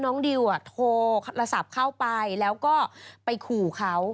ดิวโทรศัพท์เข้าไปแล้วก็ไปขู่เขา